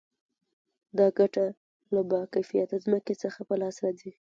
دا ګټه له با کیفیته ځمکې څخه په لاس راځي